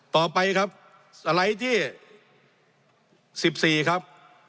ต่อไปสไลด์ที่๑๔กรัมครับ